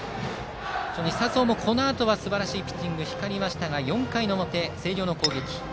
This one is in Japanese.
佐宗もこのあとはすばらしいピッチングでしたが４回の表、星稜の攻撃。